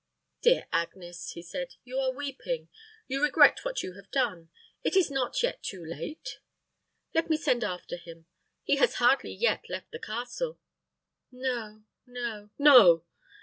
"Dear Agnes," he said, "you are weeping. You regret what you have done. It is not yet too late. Let me send after him. He has hardly yet left the castle." "No, no no!"